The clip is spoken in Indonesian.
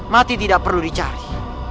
mati tidak perlu dicari